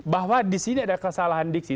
bahwa disini ada kesalahan diksi